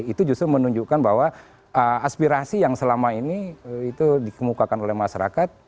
itu justru menunjukkan bahwa aspirasi yang selama ini itu dikemukakan oleh masyarakat